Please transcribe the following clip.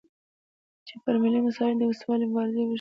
چې پر ملي مسایلو دې وسلوالې مبارزې وشي.